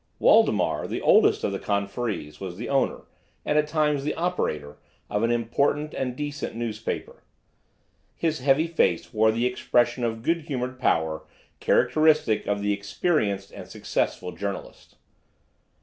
Waldemar, the oldest of the conferees, was the owner, and at times the operator, of an important and decent newspaper. His heavy face wore the expression of good humored power, characteristic of the experienced and successful journalist.